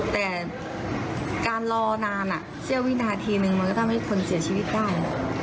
แต่การรอนานเสี้ยววินาทีหนึ่งมันก็ทำให้คนเสียชีวิตได้